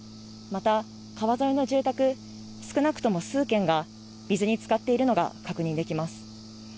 また川沿いの住宅少なくとも数軒が水につかっているのが確認できます。